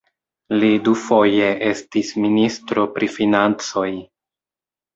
Li dufoje estis ministro pri financoj.